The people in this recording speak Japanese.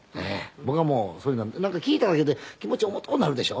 僕はもうそういうのなんか聞いただけで気持ち重とうなるでしょ。